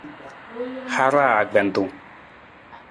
Haraa akpentung.